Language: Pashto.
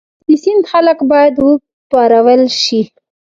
د سند خلک باید وپارول شي.